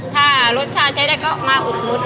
ถ้าลดค่าใช้ได้ก็มาอุดมุด